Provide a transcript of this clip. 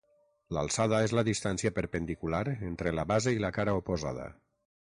L'alçada és la distància perpendicular entre la base i la cara oposada.